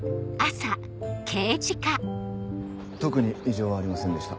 ・特に異常はありませんでした